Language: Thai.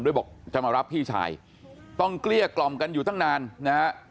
บอกจะมารับพี่ชายต้องเกลี้ยกล่อมกันอยู่ตั้งนานนะฮะ